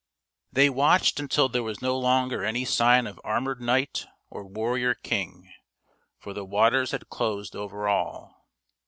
They watched until there was no longer any sign of armored knight or warrior king, for the waters had closed over all.